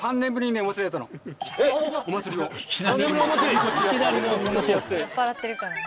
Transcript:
酔っ払ってるからね。